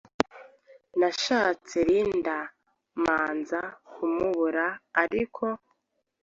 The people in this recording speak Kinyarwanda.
Nashatse Linda manza kumubura ariko